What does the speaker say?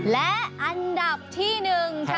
และอันดับที่๑ค่ะ